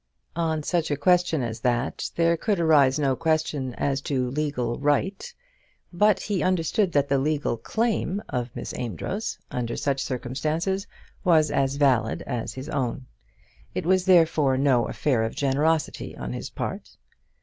On such a question as that there could arise no question as to legal right; but he understood that the legal claim of Miss Amedroz, under such circumstances, was as valid as his own. It was therefore no affair of generosity on his part.